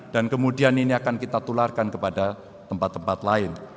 dan kemudian ini akan kita tularkan kepada tempat tempat lain